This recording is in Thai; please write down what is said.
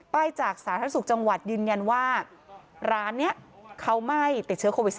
จากสาธารณสุขจังหวัดยืนยันว่าร้านนี้เขาไม่ติดเชื้อโควิด๑๙